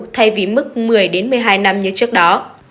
thay vì mức một mươi một mươi hai năm như trước đó